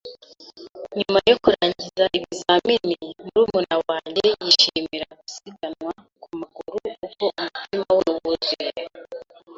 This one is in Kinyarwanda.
Nyuma yo kurangiza ibizamini, murumuna wanjye yishimira gusiganwa ku maguru uko umutima we wuzuye.